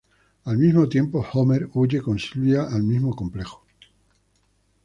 Al mismo tiempo, Homer huye con Sylvia al mismo complejo.